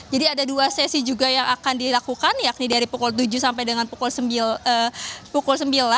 jadi ada dua sesi juga yang akan dilakukan yakni dari pukul tujuh sampai dengan pukul sembilan